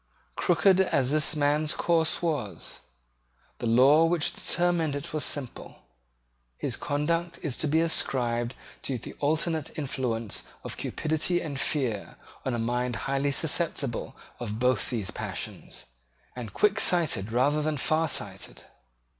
Crooked as this man's course was, the law which determined it was simple. His conduct is to be ascribed to the alternate influence of cupidity and fear on a mind highly susceptible of both those passions, and quicksighted rather than farsighted.